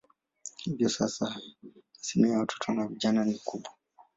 Hivyo asilimia ya watoto na vijana ni kubwa.